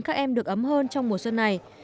các em được ấm hơn trong mùa xuân này